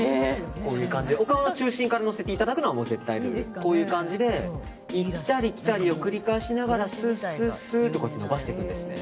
こういう感じでお顔の中心からのせていただくのは絶対でこういう感じで行ったり来たりを繰り返しながらスッスとのばしていくんです。